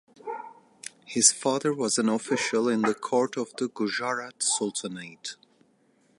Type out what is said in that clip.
His father was an official in the court of the Gujarat Sultanate.